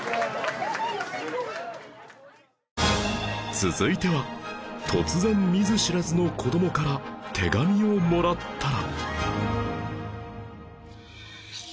続いては突然見ず知らずの子どもから手紙をもらったら